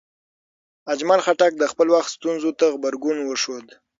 اجمل خټک د خپل وخت ستونزو ته غبرګون وښود.